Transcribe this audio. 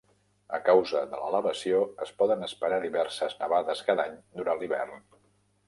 A causa de l'elevació, es poden esperar diverses nevades cada any durant l'hivern.